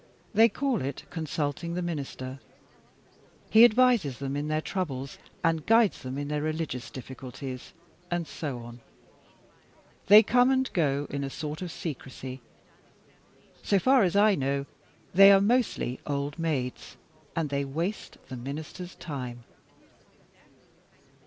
They call it consulting the Minister. He advises them in their troubles, and guides them in their religious difficulties, and so on. They come and go in a sort of secrecy. So far as I know, they are mostly old maids, and they waste the Minister's time.